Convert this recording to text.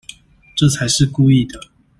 這才是故意的